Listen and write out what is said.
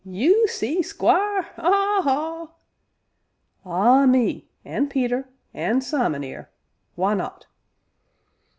You see Squire haw! haw!" "Ah, me! an' Peter, an' Simon, 'ere why not?"